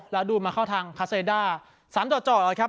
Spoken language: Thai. แล้วดูมาเข้าทางคาเซด้าสามเจาะเจาะแล้วครับ